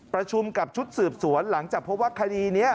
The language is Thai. ประชุมกับชุดสืบสวนหลังจากพบว่าคดีนี้